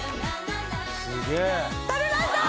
食べました！